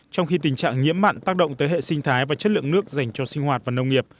trong khi tình trạng nhiễm mặn tác động tới hệ sinh thái và chất lượng nước dành cho sinh hoạt và nông nghiệp